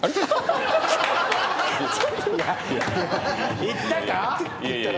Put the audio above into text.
「いったか⁉」